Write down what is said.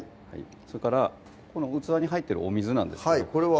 それからこの器に入ってるお水なんですけどこれは？